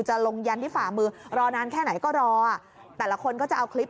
ลงยันที่ฝ่ามือรอนานแค่ไหนก็รอแต่ละคนก็จะเอาคลิป